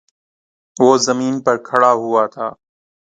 وہ زمین پہ کھڑا ہوا تھا۔